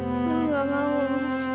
aku gak mau